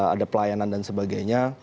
ada pelayanan dan sebagainya